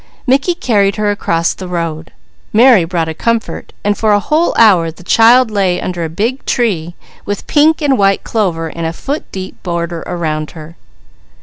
Mickey carried her across the road, Mary brought a comfort, and for a whole hour the child lay under a big tree with pink and white clover in a foot deep border around her.